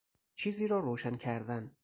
چیزی را روشن کردن